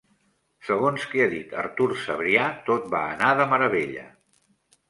Segons que ha dit Artur Cebrià, tot va anar de meravella.